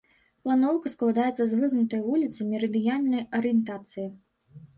Планоўка складаецца з выгнутай вуліцы мерыдыянальнай арыентацыі.